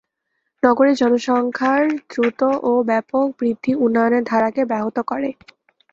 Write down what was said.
নগরের জনসংখ্যার দ্রুত ও ব্যাপক বৃদ্ধি উন্নয়নের ধারাকে ব্যাহত করে।